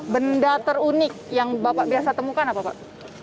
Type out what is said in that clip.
benda terunik yang bapak biasa temukan apa pak